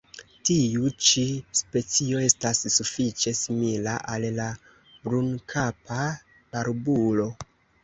Tiu ĉi specio estas sufiĉe simila al la Brunkapa barbulo.